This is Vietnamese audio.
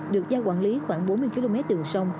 được giao quản lý khoảng bốn mươi km đường sông